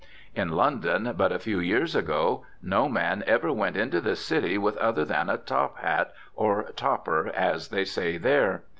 In London but a few years ago no man ever went into the City with other than a top hat, or "topper" as they say there.